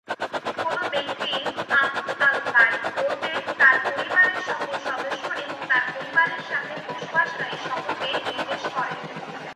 কোনো ব্যক্তির 'আহল আল-বাইত' বলতে তার পরিবারের সকল সদস্য এবং তার পরিবারের সাথে বসবাসকারী সকলকে নির্দেশ করে।